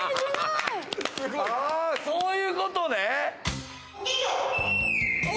そういうことね！